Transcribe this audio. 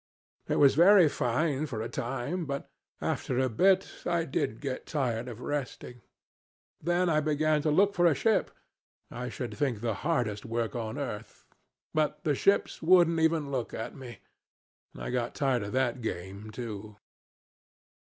It was very fine for a time, but after a bit I did get tired of resting. Then I began to look for a ship I should think the hardest work on earth. But the ships wouldn't even look at me. And I got tired of that game too.